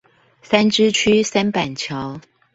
三芝區三板橋